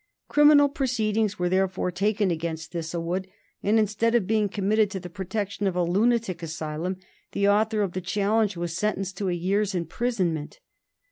Criminal proceedings were, therefore, taken against Thistlewood, and, instead of being committed to the protection of a lunatic asylum, the author of the challenge was sentenced to a year's imprisonment.